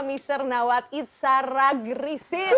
mister nawad isaragrisin